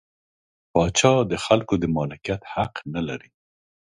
پاچا د خلکو د مالکیت حق نلري.